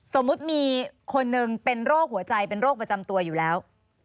สมมุติมีคนหนึ่งเป็นโรคหัวใจเป็นโรคประจำตัวอยู่แล้ว